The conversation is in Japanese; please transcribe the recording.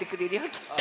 きっと。